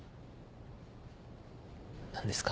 何ですか？